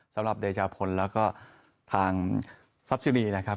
สำหรับเดชาพลแล้วก็ทางซับซิรีนะครับ